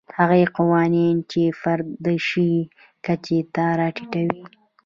هغه قوانین چې فرد د شي کچې ته راټیټوي.